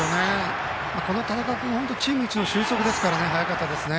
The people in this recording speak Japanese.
この田中君はチームいちの俊足ですから速かったですね。